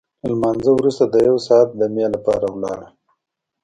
له لمانځه وروسته د یو ساعت دمې لپاره ولاړل.